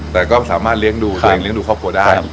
แต่ก็สามารถเลี้ยงดูตัวเองเลี้ยงดูครอบครัวได้